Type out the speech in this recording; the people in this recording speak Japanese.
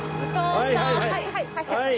はいはい。